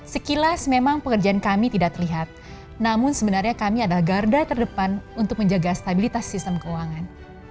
sekilas memang pekerjaan kami tidak terlihat namun sebenarnya kami adalah garda terdepan untuk menjaga stabilitas sistem keuangan